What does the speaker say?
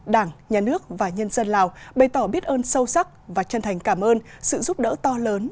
đảng nhà nước và nhân dân lào bày tỏ biết ơn sâu sắc và chân thành cảm ơn sự giúp đỡ to lớn